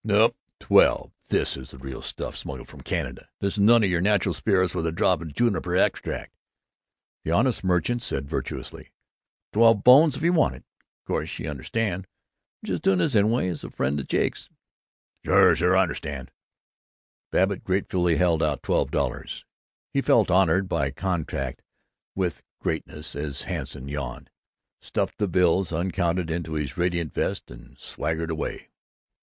"Nup. Twelve. This is the real stuff, smuggled from Canada. This is none o' your neutral spirits with a drop of juniper extract," the honest merchant said virtuously. "Twelve bones if you want it. Course y' understand I'm just doing this anyway as a friend of Jake's." "Sure! Sure! I understand!" Babbitt gratefully held out twelve dollars. He felt honored by contact with greatness as Hanson yawned, stuffed the bills, uncounted, into his radiant vest, and swaggered away.